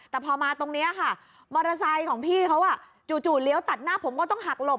แต่พอมาตรงนี้ค่ะมอเตอร์ไซค์ของพี่เขาจู่เลี้ยวตัดหน้าผมก็ต้องหักหลบ